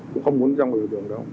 cũng không muốn ra ngoài đường đâu